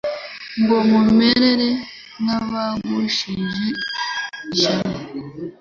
ngo mumere nk'abagushije ishyano.